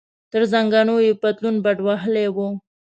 تر زنګنو یې پتلون بډ وهلی و.